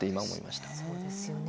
そうですよね。